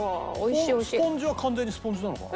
このスポンジは完全にスポンジなのかな？